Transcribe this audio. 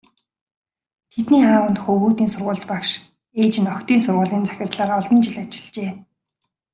Тэдний аав нь хөвгүүдийн сургуульд багш, ээж нь охидын сургуулийн захирлаар олон жил ажиллажээ.